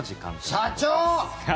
社長！